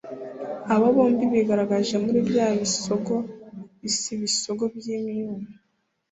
abo bombi bigaragaje muri bya bisigo bise ibisigo by'ibyuma